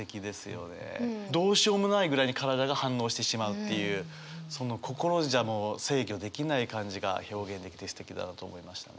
どうしようもないぐらいに体が反応してしまうっていうその心じゃ制御できない感じが表現できてすてきだなと思いましたね。